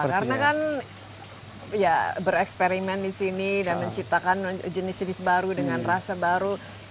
ya ini kita mungkin ya bereksperimen disini dan menciptakan jenis jenis baru dengan rasa baru